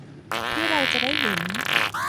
ที่เราจะได้เห็น